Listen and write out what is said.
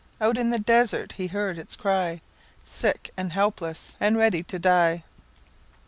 Out in the desert he heard its cry—Sick and helpless, and ready to die.